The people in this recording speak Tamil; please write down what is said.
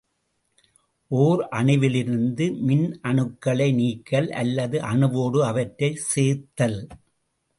ஒர் அணுவிலிருந்து மின்னணுக்களை நீக்கல் அல்லது அணுவோடு அவற்றைச் சேர்த்தல்.